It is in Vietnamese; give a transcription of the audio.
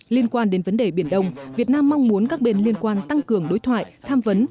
liên quan đến vấn đề biển đông việt nam mong muốn các bên liên quan tăng cường đối thoại tham vấn